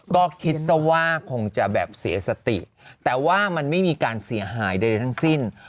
ก็คิดซะว่าคงจะแบบเสียสติแต่ว่ามันไม่มีการเสียหายใดทั้งสิ้น